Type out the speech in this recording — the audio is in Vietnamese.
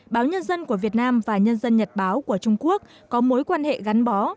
báo nhân dân của việt nam và nhân dân nhật báo của trung quốc có mối quan hệ gắn bó